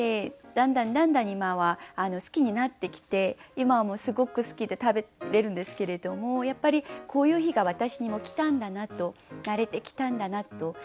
だんだんだんだん今は好きになってきて今はもうすごく好きで食べれるんですけれどもこういう日が私にも来たんだなと慣れてきたんだなと。